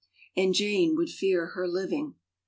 And Jane would fear her living.